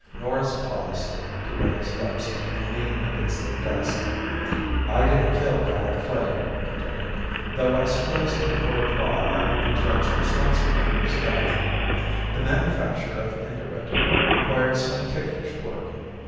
Norris paused to wet his lips and lean against the desk. "I didn't kill Ganeth Klae," he continued, "though I suppose in a court of law I would be judged responsible for his death. The manufacture of Indurate required some ticklish work.